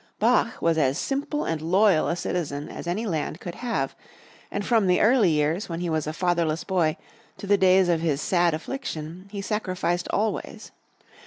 Bach was as simple and loyal a citizen as any land could have, and from the early years when he was a fatherless boy to the days of his sad affliction, he sacrificed always.